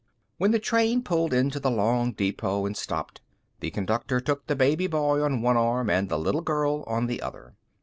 When the train pulled into the long depot and stopped, the Conductor took the baby boy on one arm and a little girl on the other.